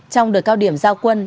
trong đợt cao điểm giao quân